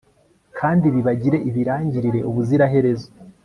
kandi bibagire ibirangirire ubuziraherezo